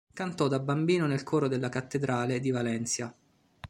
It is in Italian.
Cantò da bambino nel coro della cattedrale di Valencia.